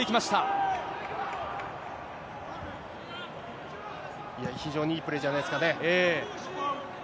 いや、非常にいいプレーじゃないですかね。